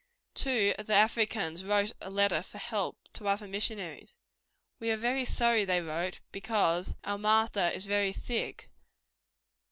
Two of the Africans wrote a letter for help to other missionaries: "We are very sorrow," they wrote, "because out Master is very sick.